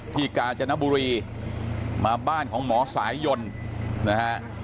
กาญจนบุรีมาบ้านของหมอสายยนต์นะฮะ